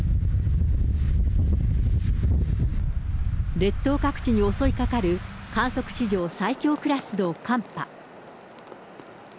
列島各地に襲いかかる、観測史上最強クラスの寒波。